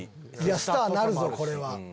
スターになるぞこれは。